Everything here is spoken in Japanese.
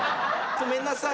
こめんなさい。